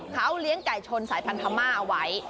เขาเลี้ยงไก่ชนสายพันธม่าเอาไว้